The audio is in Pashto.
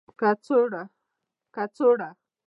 کڅوړه